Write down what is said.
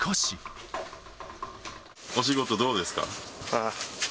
お仕事どうですか？